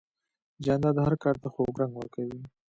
جانداد هر کار ته خوږ رنګ ورکوي.